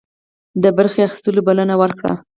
د برخي اخیستلو بلنه ورکړه.